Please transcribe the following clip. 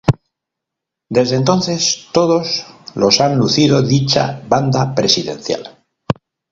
Desde entonces todos los han lucido dicha "banda presidencial".